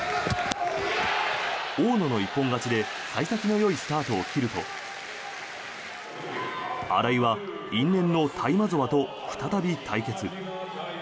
大野の一本勝ちで幸先のよいスタートを切ると新井は因縁のタイマゾワと再び対決。